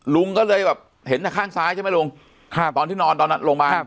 ลุงก็เลยแบบเห็นแต่ข้างซ้ายใช่ไหมลุงตอนที่นอนตอนนั้นลงมา